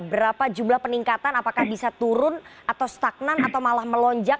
berapa jumlah peningkatan apakah bisa turun atau stagnan atau malah melonjak